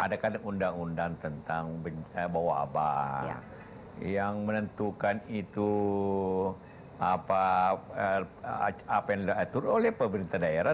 ada kan undang undang tentang bawa abah yang menentukan itu apa yang diatur oleh pemerintah daerah